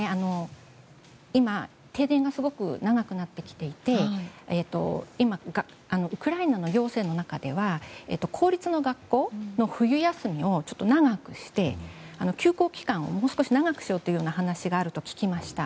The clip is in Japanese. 今、停電がすごく長くなってきていてウクライナの行政の中では公立の学校の冬休みを長くして、休校期間をもう少し長くしようという話を聞きました。